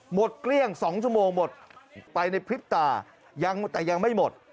หมดเกลี้ยง๒ชั่วโมงหมดไปในคลิปต่าแต่ยังไม่หมด